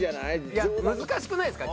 いや難しくないですか？